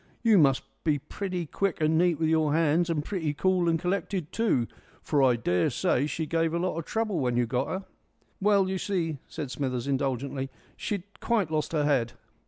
You must be pretty quick and neat with your hands, and pretty cool and collected too, for I daresay she give a lot of trouble when you got 'er." "Well, you see," said Smithers, indulgently, "she'd quite lost her head."